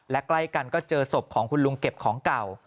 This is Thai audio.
และใกล้กันก็เจอศพของคุณลุงเก็บของเก่า